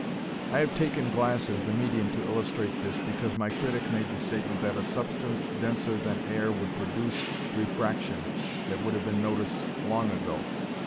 I have taken glass as the medium to illustrate this because my critic made the statement that "a substance denser than air would produce refraction that would have been noticed long ago."